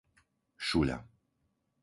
Šuľa